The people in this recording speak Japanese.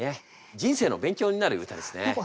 人生の勉強になる歌ですね。